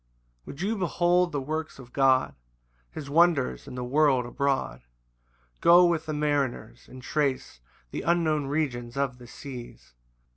1 Would you behold the works of God, His wonders in the world abroad, Go with the mariners, and trace The unknown regions of the seas.